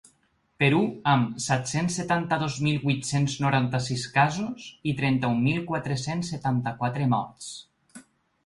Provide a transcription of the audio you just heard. Perú, amb set-cents setanta-dos mil vuit-cents noranta-sis casos i trenta-un mil quatre-cents setanta-quatre morts.